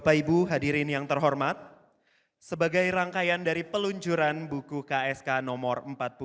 bapak ibu hadirin yang terhormat sebagai rangkaian dari peluncuran buku ksk nomor empat puluh dua